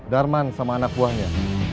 darman sama anak buahnya